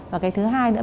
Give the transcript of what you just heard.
và cái thứ hai nữa